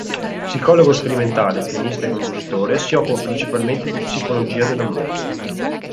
Psicologo sperimentale, pianista e compositore, si occupa principalmente di psicologia della musica.